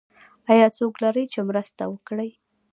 ایا څوک لرئ چې مرسته وکړي؟